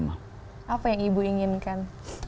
apa yang ibu inginkan